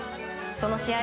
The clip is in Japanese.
その試合